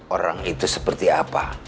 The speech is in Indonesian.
orang itu seperti apa